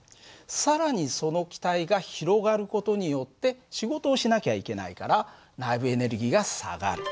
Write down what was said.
更にその気体が広がる事によって仕事をしなきゃいけないから内部エネルギーが下がる。